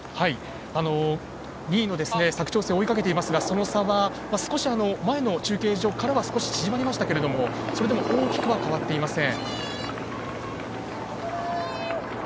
２位の佐久長聖追いかけていますがその差は少し、前の中継所からは縮まりましたけれどもそれでも大きくは変わっていません。